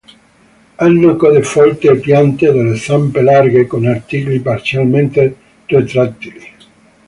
Hanno code folte e piante delle zampe larghe, con artigli parzialmente retrattili.